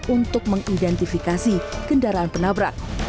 untuk mengidentifikasi kendaraan penabrak